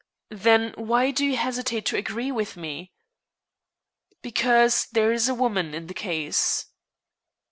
"Then why do you hesitate to agree with me?" "Because there is a woman in the case."